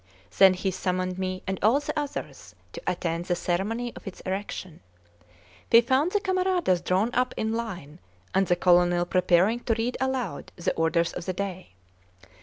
Then he summoned me, and all the others, to attend the ceremony of its erection. We found the camaradas drawn up in line, and the colonel preparing to read aloud "the orders of the day."